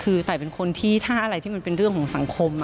คือตายเป็นคนที่ถ้าอะไรที่มันเป็นเรื่องของสังคม